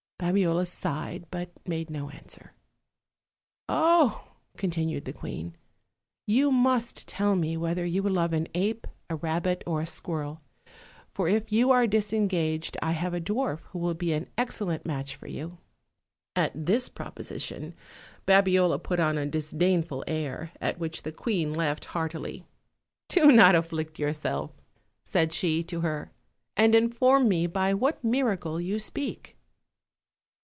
Babiola sighed, but made no answer. "Oh!" continued the queen, "you must tell me whether you love an ape, a rabbit, or a squirrel; for if you are disengaged I have a dwarf who will be an excel lent match for you." At this proposition Babiola put on a disdainful air, at which the queen laughed heartily. 204 OLD, OLD FAIRY TALES. "Do not afflict yourself," said she to her, "and inform me by what miracle you speak."